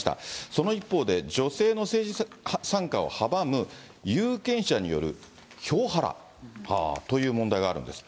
その一方で、女性の政治参加を阻む有権者による票ハラという問題があるんです。